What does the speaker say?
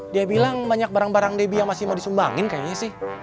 dia bilang banyak barang barang debbie yang masih mau disumbangin kayaknya sih